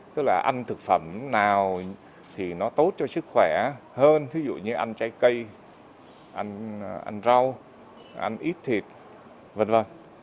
tức là ăn thực phẩm nào thì nó tốt cho sức khỏe hơn thí dụ như anh trái cây ăn rau ăn ít thịt v v